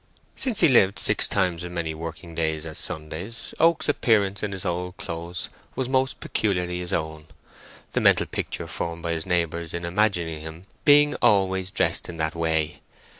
Since he lived six times as many working days as Sundays, Oak's appearance in his old clothes was most peculiarly his own—the mental picture formed by his neighbours in imagining him being always dressed in that way.